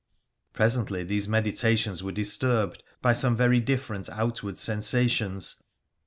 Presently these meditations were disturbed by some very different outward sensations.